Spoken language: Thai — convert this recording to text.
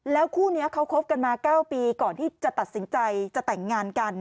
คู่นี้เขาคบกันมา๙ปีก่อนที่จะตัดสินใจจะแต่งงานกัน